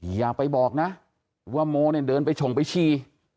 อย่าไปบอกนะว่าโมเนี่ยเดินไปชงไปชี